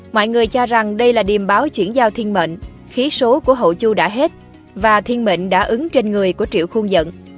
mọi người cho rằng đây là điểm báo chuyển giao thiên mệnh khí số của hậu chu đã hết và thiên mệnh đã ứng trên người của triệu khuôn dẫn